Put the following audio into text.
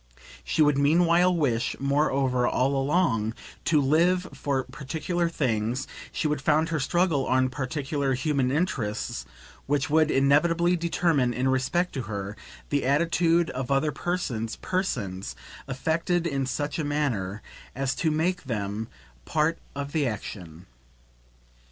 She would meanwhile wish, moreover, all along, to live for particular things, she would found her struggle on particular human interests, which would inevitably determine, in respect to her, the attitude of other persons, persons affected in such a manner as to make them part of the action.